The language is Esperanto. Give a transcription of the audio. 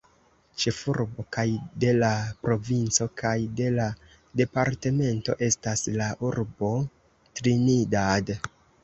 Ĉefurbo kaj de la provinco kaj de la departemento estas la urbo Trinidad.